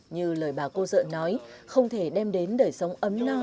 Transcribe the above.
như lời bà cô dợ nói không thể đem đến đời sống ấm no